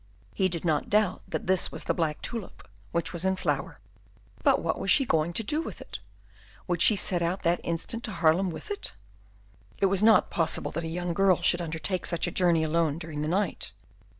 He did not doubt that this was the black tulip which was in flower. But what was she going to do with it? Would she set out that instant to Haarlem with it? It was not possible that a young girl should undertake such a journey alone during the night.